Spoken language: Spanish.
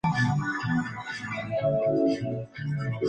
Una vez terminó el campeonato, fue contratado por el Canterbury United.